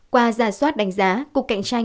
qua giả soát đánh giá cục cạnh tranh